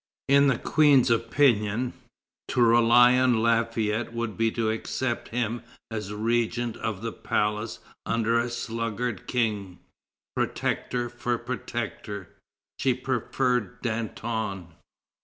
In the Queen's opinion, to rely on Lafayette would be to accept him as regent of the palace under a sluggard King. Protector for protector, she preferred Danton.